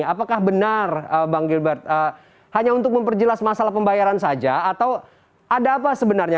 apakah benar bang gilbert hanya untuk memperjelas masalah pembayaran saja atau ada apa sebenarnya